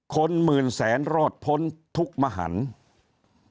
คนหมื่นแสนรอดพ้นทุกข์มหันธุ์